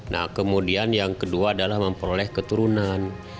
nah kemudian yang kedua adalah memperoleh keturunan